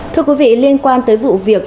thưa quý vị liên quan tới vụ việc